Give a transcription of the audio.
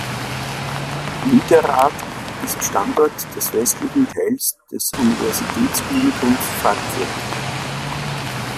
Niederrad ist Standort des westlichen Teils des Universitätsklinikums Frankfurt.